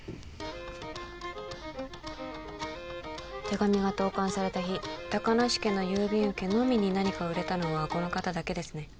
手紙が投かんされた日高梨家の郵便受けのみに何かを入れたのはこの方だけですね